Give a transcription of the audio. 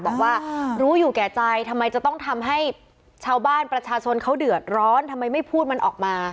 บอกว่ารู้อยู่แก่ใจทำไมจะต้องทำให้ชาวบ้านประชาชนเขาเดือดร้อนทำไมไม่พูดมันออกมา